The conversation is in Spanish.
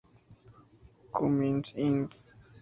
Cummins Inc.